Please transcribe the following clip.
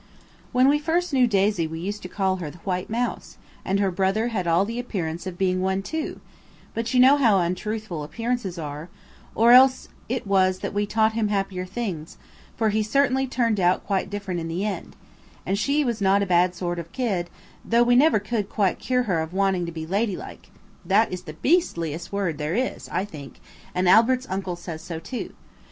When first we knew Daisy we used to call her the White Mouse, and her brother had all the appearance of being one too, but you know how untruthful appearances are, or else it was that we taught him happier things, for he certainly turned out quite different in the end; and she was not a bad sort of kid, though we never could quite cure her of wanting to be "ladylike"–that is the beastliest word there is, I think, and Albert's uncle says so, too.